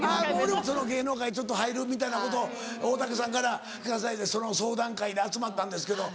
俺も芸能界入るみたいなことを大竹さんから聞かされてその相談会で集まったんですけど。